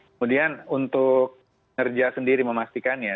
kemudian untuk ngerja sendiri memastikannya